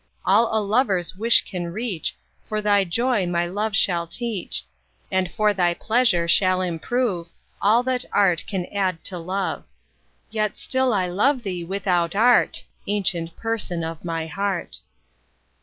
All a lover's wish can reach, For thy joy my love shall teach; And for thy pleasure shall improve All that art can add to love. Yet still I love thee without art, Ancient Person of my heart.